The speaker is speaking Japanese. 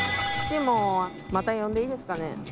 父もまた呼んでいいですかね？